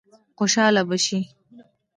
خوشاله به شي.